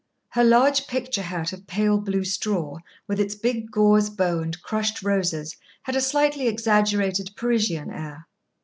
Her large picture hat of pale blue straw, with its big gauze bow and crushed roses, had a slightly exaggerated Parisian air.